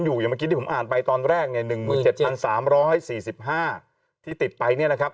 อย่างเมื่อกี้ที่ผมอ่านไปตอนแรกเนี่ย๑๗๓๔๕ที่ติดไปเนี่ยนะครับ